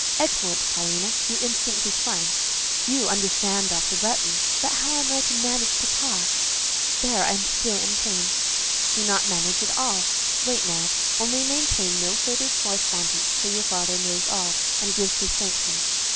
"Excellent, Paulina! Your instinct is fine; you understand Dr. Bretton." "But how must I manage about papa? There I am still in pain." "Do not manage at all. Wait now. Only maintain no further correspondence till your father knows all, and gives his sanction."